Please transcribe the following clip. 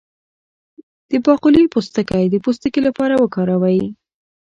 د باقلي پوستکی د پوستکي لپاره وکاروئ